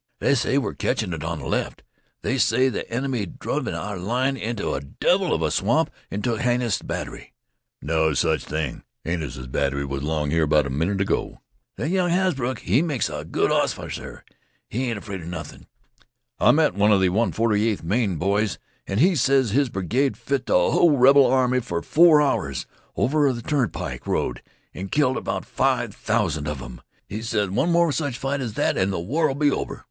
"They say we're catchin' it over on th' left. They say th' enemy driv' our line inteh a devil of a swamp an' took Hannises' batt'ry." "No sech thing. Hannises' batt'ry was 'long here 'bout a minute ago." "That young Hasbrouck, he makes a good off'cer. He ain't afraid 'a nothin'." "I met one of th' 148th Maine boys an' he ses his brigade fit th' hull rebel army fer four hours over on th' turnpike road an' killed about five thousand of 'em. He ses one more sech fight as that an' th' war 'll be over."